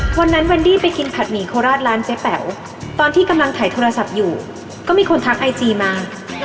วันนั้นวันดี้ไปกินผัดหมี่โคราชร้านเจ๊แป๋วตอนที่กำลังถ่ายโทรศัพท์อยู่ก็มีคนทักไอจีมา